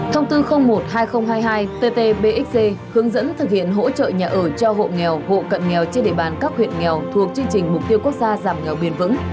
thông tư một hai nghìn hai mươi hai tt bxc hướng dẫn thực hiện hỗ trợ nhà ở cho hộ nghèo hộ cận nghèo trên địa bàn các huyện nghèo thuộc chương trình mục tiêu quốc gia giảm nghèo bền vững